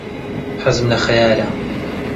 حەزم لە خەیارە.